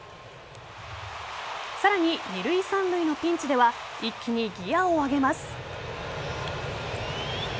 さらに二塁・三塁のピンチでは一気にギアを上げます。